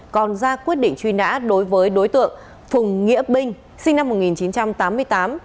còn ra quyết định truy nã đối với đối tượng phùng nghĩa binh sinh năm một nghìn chín trăm tám mươi tám